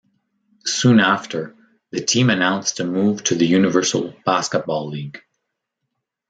Soon after, the team announced a move to the Universal Basketball League.